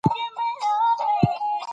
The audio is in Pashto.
محمد عارف په سختو حالاتو کی خپل زامن وروزل